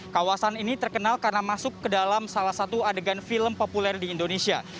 kawasan ini terkenal karena masuk ke dalam salah satu adegan film populer di indonesia